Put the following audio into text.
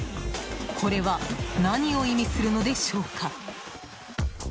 これは何を意味するのでしょうか？